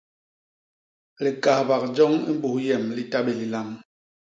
Likahbak joñ i mbus yem li ta bé lilam.